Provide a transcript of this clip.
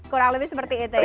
kurang lebih seperti itu ya